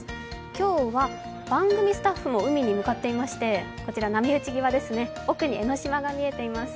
今日は番組スタッフも海に向かっていましてこちは波打ち際ですね、奥に江の島が見えています。